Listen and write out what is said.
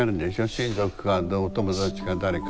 親族かお友達か誰か。